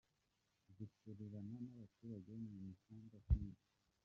Zikurira n’ abaturage mu mihanda kenshi.